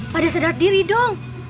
pada sedar diri dong